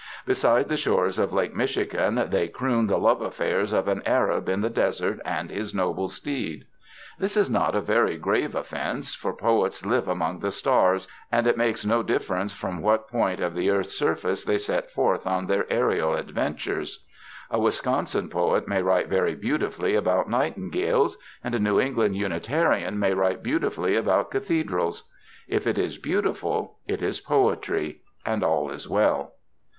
Beside the shores of Lake Michigan they croon the love affairs of an Arab in the desert and his noble steed. This is not a very grave offence, for poets live among the stars, and it makes no difference from what point of the earth's surface they set forth on their aerial adventures. A Wisconsin poet may write very beautifully about nightingales, and a New England Unitarian may write beautifully about cathedrals; if it is beautiful, it is poetry, and all is well.